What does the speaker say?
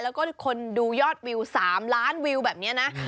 แล้วก็คนดูยอดวิว๓ล้านวิวแบบนี้นะ